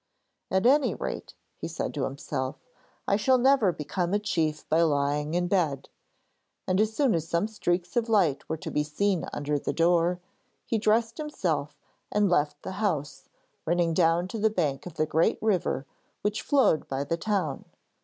'At any rate,' he said to himself, 'I shall never become a chief by lying in bed,' and as soon as some streaks of light were to be seen under the door, he dressed himself and left the house, running down to the bank of the great river which flowed by the town.